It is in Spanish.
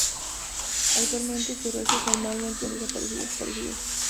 Actualmente sus restos mortales se encuentran desaparecidos.